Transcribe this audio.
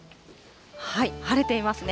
晴れていますね。